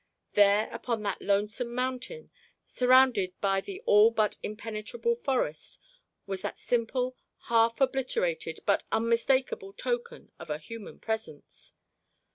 There upon that lonesome mountain, surrounded by the all but impenetrable forest, was that simple, half obliterated but unmistakable token of a human presence.